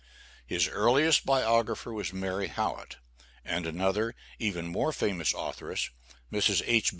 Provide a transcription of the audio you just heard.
His earliest biographer was Mary Howitt; and another even more famous authoress, Mrs. H.